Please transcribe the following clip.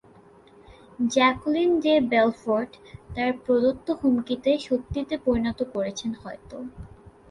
Jacqueline de Belfort তার প্রদত্ত হুমকিকে সত্যিতে পরিণত করেছেন হয়তো।